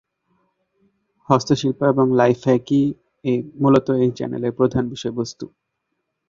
হস্তশিল্প এবং লাইফ-হ্যাক-ই মূলত এই চ্যানেলের প্রধান বিষয়বস্তু।